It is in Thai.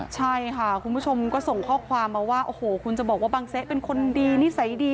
ใช่ค่ะคุณผู้ชมก็ส่งข้อความมาว่าโอ้โหคุณจะบอกว่าบังเซะเป็นคนดีนิสัยดี